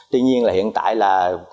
tuy nhiên là hiện tại là